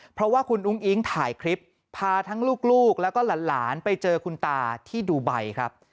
เพราะว่าคุณอุ้งอิ๊งถ่ายคลิปพาทั้งลูกแล้วก็หลานไปเจอคุณตาที่ดูไบครับ